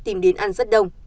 tìm đến ăn rất đông